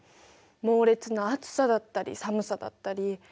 猛烈な暑さだったり寒さだったり。